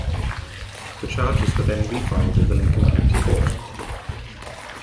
The charges were then refiled in Lincoln County court.